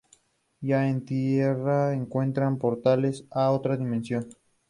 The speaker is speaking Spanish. La mayoría de los turistas vienen a Bender por los centros culturales.